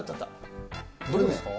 どれですか？